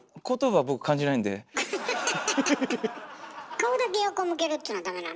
顔だけ横向けるっつうのはダメなの？